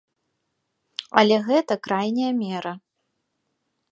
Але гэта крайняя мера.